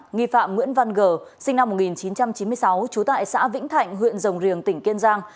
nghi phạm nguyễn văn g sinh năm một nghìn chín trăm chín mươi sáu trú tại xã vĩnh thạnh huyện rồng riềng tỉnh kiên giang